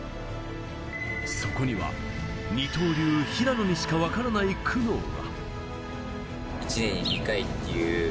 そこには二刀流の平野にしか分からない苦悩が。